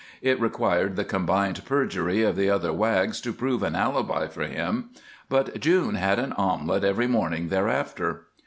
It required the combined perjury of the other Wags to prove an alibi for him, but June had an omelet every morning thereafter.